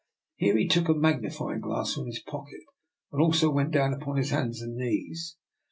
Here he took a magnifying glass from his pocket, and also went down upon his hands and knees.